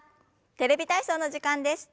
「テレビ体操」の時間です。